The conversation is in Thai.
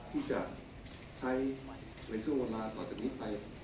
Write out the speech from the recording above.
ที่จะใช้ในช่วงเวลาต่อจากนี้ไป